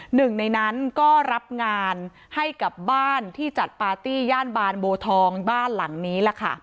หนึ่งในนั้นก็รับงานให้กับบ้านที่จัดปาร์ตี้ย่านบานโบทองบ้านหลังนี้ล่ะค่ะ